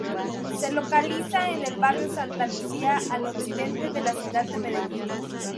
Se localiza en el barrio Santa Lucía, al occidente de la Ciudad de Medellín.